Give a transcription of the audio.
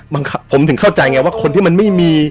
บังคับผมถึงเข้าใจไงเพราะว่าคนที่มันไม่มี